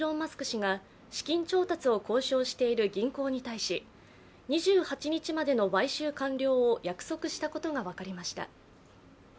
氏が資金調達を交渉している銀行に対し２８日までの買収完了を約束したことが分かりました。